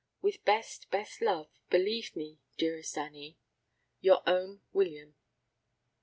With best, best love, believe me, dearest Annie, Your own WILLIAM."